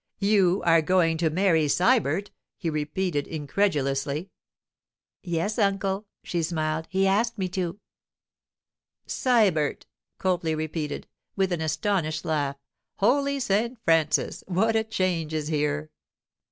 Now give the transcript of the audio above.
'You are going to marry Sybert?' he repeated incredulously. 'Yes, uncle,' she smiled. 'He asked me to.' 'Sybert!' Copley repeated, with an astonished laugh. 'Holy St. Francis! What a change is here!